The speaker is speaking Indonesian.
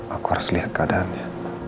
aku harus lihat keadaannya